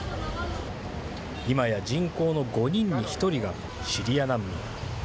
いまや人口の５人に１人がシリア難民。